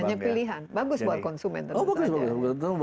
banyak pilihan bagus buat konsumen tentu saja